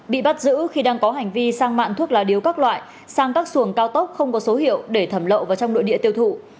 bị bắt giữ khi đang có hành vi sang mạng thuốc lá điếu các loại sang các xuồng cao tốc không có số hiệu để thẩm lậu vào trong nội địa tiêu thụ